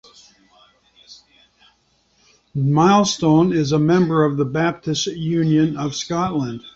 Milestone is a member of the Baptist Union of Scotland.